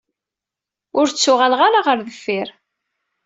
Ur ttuɣaleɣ ara ɣer deffir.